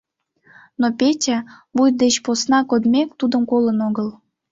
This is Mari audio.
Но Петя, вуй деч посна кодмек, тудым колын огыл.